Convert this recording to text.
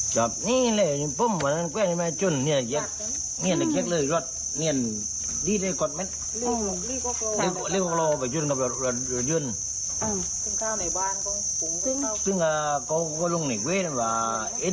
ซึ่งเขาหนังบาน